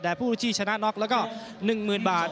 แต่ผู้ที่ชนะน็อกแล้วก็๑๐๐๐บาท